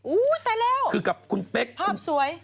อู้วตายแล้วภาพสวย